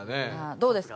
どうですか？